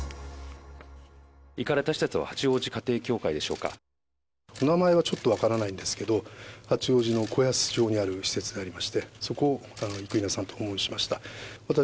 行かれた施設は八王子家庭教お名前はちょっと分からないんですけれども、八王子の子安町にある施設でありまして、そこを生稲さんと訪問しました。